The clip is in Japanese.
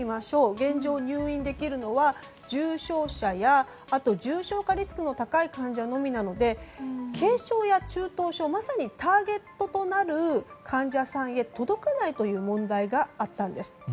現状、入院できるのは重症者や、重症化リスクの高い患者のみなので軽症や中等症まさにターゲットとなる患者さんへ届かないという問題があったんです。